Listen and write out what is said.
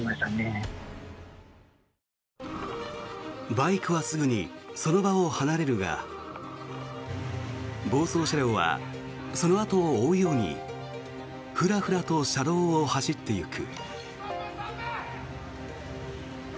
バイクはすぐにその場を離れるが暴走車両はそのあとを追うようにふらふらと車道を走っていく。